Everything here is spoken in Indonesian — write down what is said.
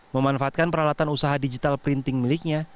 memanfaatkan peralatan usaha digital printing miliknya